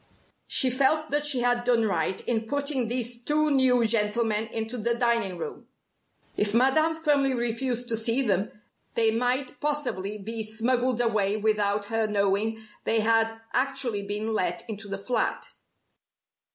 She felt that she had done right in putting these two new gentlemen into the dining room. If Madame firmly refused to see them, they might possibly be smuggled away without her knowing they had actually been let into the flat.